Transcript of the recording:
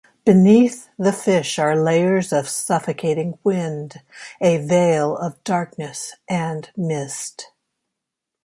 Beneath the fish are layers of suffocating wind, a veil of darkness, and mist.